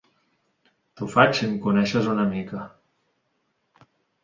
T'ho faig si em coneixes una mica.